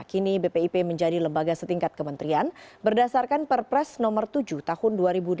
kini bpip menjadi lembaga setingkat kementerian berdasarkan perpres nomor tujuh tahun dua ribu delapan belas